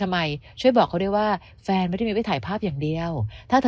ทำไมช่วยบอกเขาได้ว่าแฟนมันมีไปถ่ายภาพอย่างเดียวถ้า